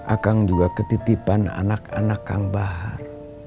akang juga ketitipan anak anak kang bahar